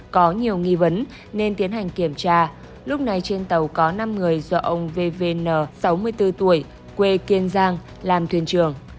có nhiều nghi vấn nên tiến hành kiểm tra lúc này trên tàu có năm người do ông vvn sáu mươi bốn tuổi quê kiên giang làm thuyền trưởng